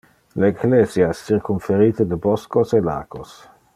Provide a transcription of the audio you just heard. Le ecclesia es circumferite de boscos e lacos.